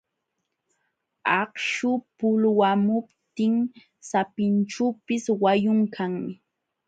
Akśhu pulwamutin sapinćhuupis wayun kanmi.